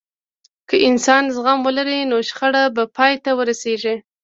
که انسان زغم ولري، نو شخړه به پای ته ورسیږي.